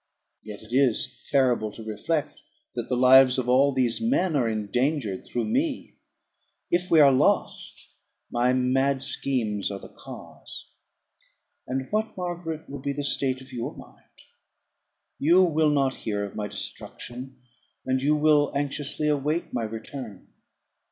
Yet it is terrible to reflect that the lives of all these men are endangered through me. If we are lost, my mad schemes are the cause. And what, Margaret, will be the state of your mind? You will not hear of my destruction, and you will anxiously await my return.